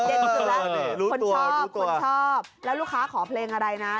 เออรู้ตัวรู้ตัวคนชอบแล้วลูกค้าขอเพลงอะไรนะ